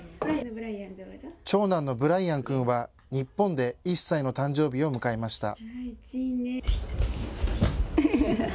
長男のブライアン君は日本で１歳の誕生日を迎えました。